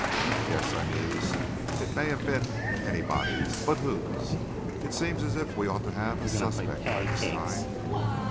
"Yes," I mused, "it may have been anybody's. But whose? It seems as if we ought to have a suspect by this time."